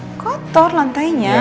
ini kotor lantainya